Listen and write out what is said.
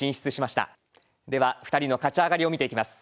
では２人の勝ち上がりを見ていきます。